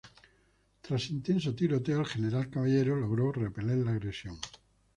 Tras intenso tiroteo, el general Caballero logró repeler la agresión.